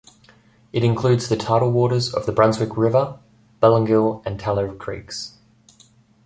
It includes the tidal waters of the Brunswick River, Belongil and Tallow creeks.